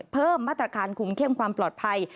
เพิ่มมาตรการคุมเข้มความปลอดภัย